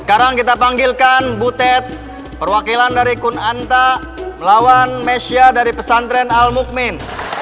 sekarang kita panggilkan butet perwakilan dari kunanta melawan mesya dari pesantren al mugmin